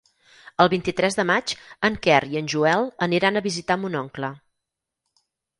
El vint-i-tres de maig en Quer i en Joel aniran a visitar mon oncle.